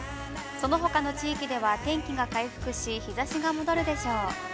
そのほかの地域では、天気が回復し、日差しが戻るでしょう。